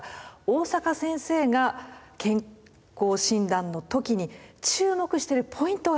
大坂先生が健康診断の時に注目してるポイントがあるんです。